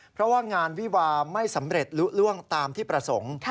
เพราะว่างานวิวาไม่สำเร็จลุล่วงตามที่ประสงค์